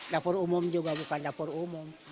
dapur umum juga bukan dapur umum